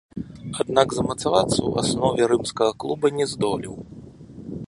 Аднак замацавацца ў аснове рымскага клуба не здолеў.